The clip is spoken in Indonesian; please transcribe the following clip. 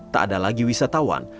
tak ada lagi wisatawan